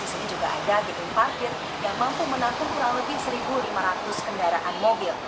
di sini juga ada gedung parkir yang mampu menakut kurang lebih satu lima ratus kendaraan mobil